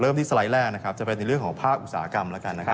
เริ่มที่สไลด์แรกจะเป็นเรื่องของภาพอุตสาหกรรม